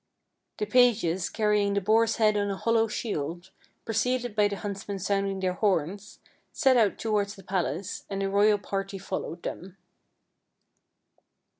The pages, car rying the boar's head on a hollow shield, pre ceded by the huntsmen sounding their horns, set out towards the palace, and the royal party fol lowed them.